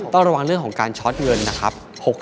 ต้องระวังเรื่องของการช็อตเงินนะครับ